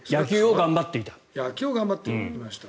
野球を頑張っていました。